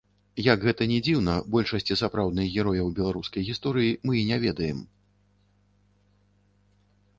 Як гэта ні дзіўна, большасці сапраўдных герояў беларускай гісторыі мы і не ведаем.